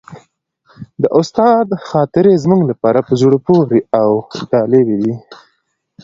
د استاد خاطرې زموږ لپاره په زړه پورې او جالبې دي.